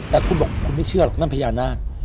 แต่คุณบอกคุณไม่เชื่อหรอกนั่นพญานาค